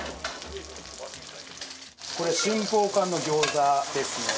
これ春峰柑の餃子ですね。